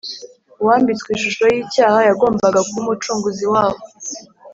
, “uwambitswe ishusho y’icyaha” yagombaga kuba umucunguzi wabo.